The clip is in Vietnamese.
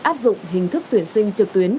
áp dụng hình thức tuyển sinh trực tuyến